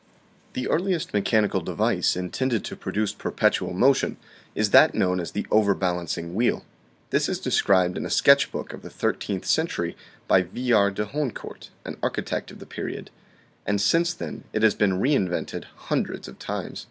The earliest mechanical device intended to produce per petual motion is that known as the overbalancing wheel. This is described in a sketch book of the thirteenth century by Wilars de Honecourt, an architect of the period, and since then it has been reinvented hundreds of times.